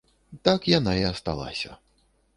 Так яна і асталася.